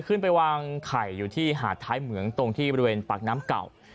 ขึ้นไปวางไข่อยู่ที่หาดท้ายเหมืองตรงที่บริเวณปากน้ำเก่า